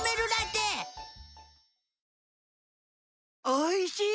おいしい！